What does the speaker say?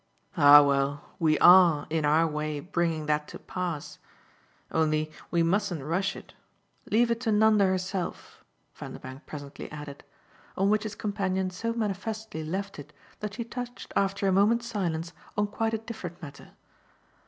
"Ah well, we ARE, in our way, bringing that to pass. Only we mustn't rush it. Leave it to Nanda herself," Vanderbank presently added; on which his companion so manifestly left it that she touched after a moment's silence on quite a different matter.